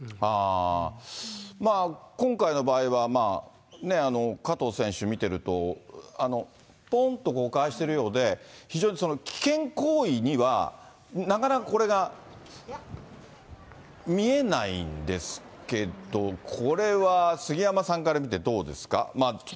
まあ、今回の場合は、まあね、加藤選手見てると、ぽんとこう、返してるようで、非常に危険行為にはなかなかこれが、見えないんですけど、これは杉山さんから見てどうですか。